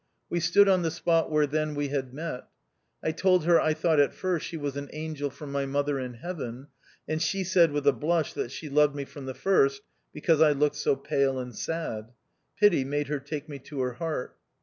We stood on the spot where then we had met. I told her I thought at first she was an angel from my mother in heaven; and she said with a blush that she loved me from the first because I looked so pale and sad ; pity made her take me to her heart.